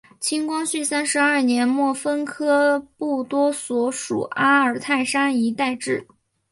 清光绪三十二年末分科布多所属阿尔泰山一带置。